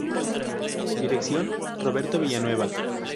Dirección: Roberto Villanueva.